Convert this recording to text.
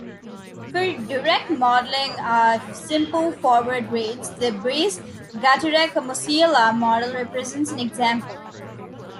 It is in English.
For direct modeling of simple forward rates the Brace-Gatarek-Musiela model represents an example.